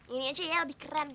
ini aja ya lebih keren